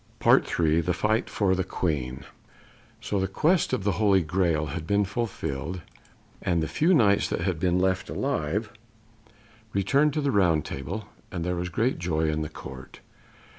PART III. THE FIGHT FOR THE QUEEN. So the quest of the Holy Graal had been fulfilled, and the few Knights that had been left alive returned to the Round Table, and there was great joy in the Court.